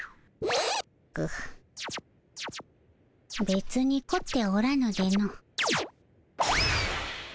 べつにこっておらぬでの。